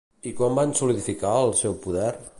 I quan van solidificar el seu poder?